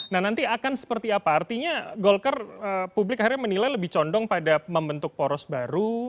nah nanti akan seperti apa artinya golkar publik akhirnya menilai lebih condong pada membentuk poros baru